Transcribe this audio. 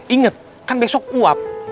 ingat kan besok uap